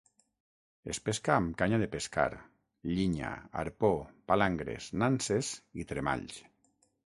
Es pesca amb canya de pescar, llinya, arpó, palangres, nanses i tremalls.